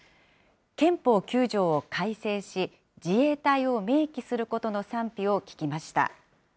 憲法９条を改正し、自衛隊を明記することの賛否を聞きました。